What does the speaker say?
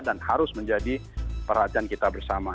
dan harus menjadi perhatian kita bersama